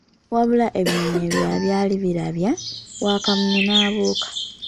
Wabula ebinyonyi ebirala byali birabya, Wakamunye n'abuuka.